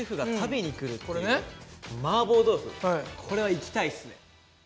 これは行きたいっすね。